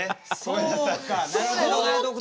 そうかなるほど。